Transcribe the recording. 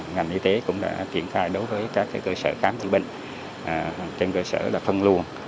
ngành y tế cũng đã triển khai đối với các cơ sở khám chữa bệnh trên cơ sở là phân luồn